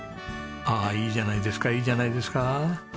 ああいいじゃないですかいいじゃないですか。